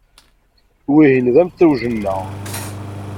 Wihin d amtiweg-nneɣ.